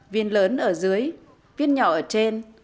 viên lớn ở dưới viên nhỏ ở trên